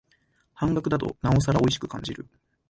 半額だとなおさらおいしく感じる